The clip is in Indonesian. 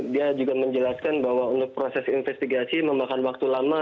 dia juga menjelaskan bahwa untuk proses investigasi memakan waktu lama